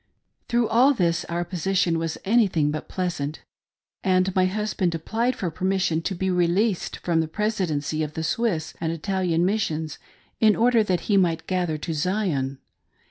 / Through all this our position was anything but pleasant, and my husband applied for permission to be released from the Presidency of the Swiss and Italian Missions, in order that he might "gather to Zion."